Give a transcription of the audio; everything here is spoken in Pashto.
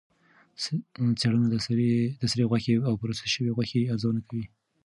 څېړنه د سرې غوښې او پروسس شوې غوښې ارزونه کوي.